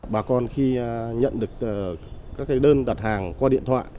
bà con khi nhận được các đơn đặt hàng qua điện thoại